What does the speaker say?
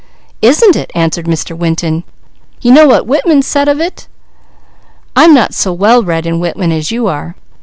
"Isn't it!" answered Mr. Winton. "You know what Whitman said of it?" "I'm not so well read in Whitman as you are."